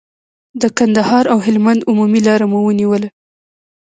د کندهار او هلمند عمومي لار مو ونیوله.